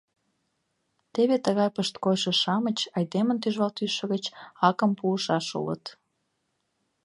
Теве тыгай пышткойшо-шамыч айдемын тӱжвал тӱсшӧ гыч акым пуышаш улыт.